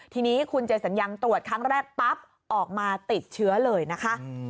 ทีนี้คุณเจสัญญังตรวจครั้งแรกปั๊บออกมาติดเชื้อเลยนะคะ